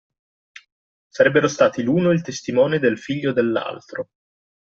Sarebbero stati l’uno il testimone del figlio dell’altro.